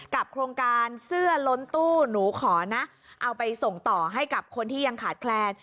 โครงการเสื้อล้นตู้หนูขอนะเอาไปส่งต่อให้กับคนที่ยังขาดแคลน